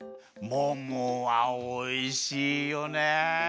ももはおいしいよね。